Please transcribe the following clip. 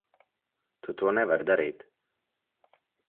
Tu to nevari darīt.